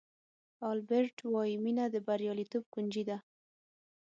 البرټ وایي مینه د بریالیتوب کونجي ده.